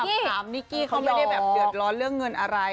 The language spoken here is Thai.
ถามนิกกี้เขาไม่ได้แบบเดือดร้อนเรื่องเงินอะไร